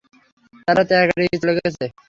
তারা ট্রাকেডি চলে গেছে।